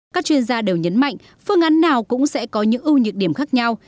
các chuyên gia đều nhấn mạnh phương án nào cũng sẽ có những ưu nhược điểm khác nhau